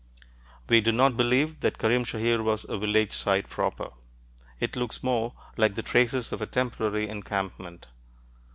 We do not believe that Karim Shahir was a village site proper: it looks more like the traces of a temporary encampment.